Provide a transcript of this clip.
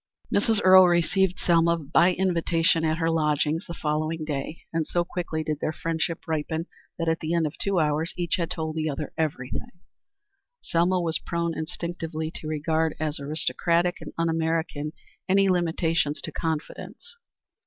Mrs. Earle received Selma by invitation at her lodgings the following day, and so quickly did their friendship ripen that at the end of two hours each had told the other everything. Selma was prone instinctively to regard as aristocratic and un American any limitations to confidence.